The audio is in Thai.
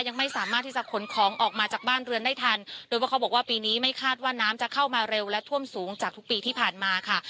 ยังไม่สามารถที่จะขนของออกมาจากบ้านเรือนได้ทันโดยว่าเขาบอกว่าปีนี้ไม่คาดว่าน้ำจะเข้ามาเร็วและท่วมสูงจากทุกปีที่ผ่านมาค่ะ